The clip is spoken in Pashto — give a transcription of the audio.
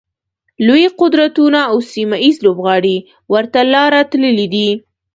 لوی قدرتونه او سیمه ییز لوبغاړي ورته لاره تللي دي.